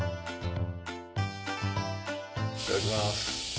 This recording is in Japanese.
いただきます。